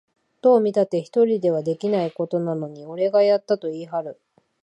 どう見たって一人ではできないことなのに、俺がやったと言いはる